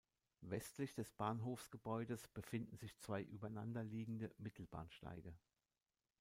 Westlich des Bahnhofsgebäudes befinden sich zwei übereinander liegende Mittelbahnsteige.